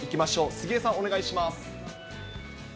杉江さん、お願いします。